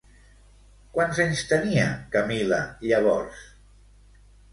Quants anys tenia Camil·la llavors?